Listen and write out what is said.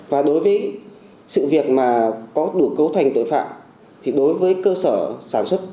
và đối với sự việc mà có đủ cấu thành tội phạm thì đối với cơ sở sản xuất